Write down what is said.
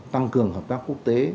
tăng cường hợp tác quốc tế